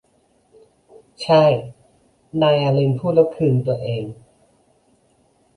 ใช่นายเอลีนพูดแล้วคืนตัวเอง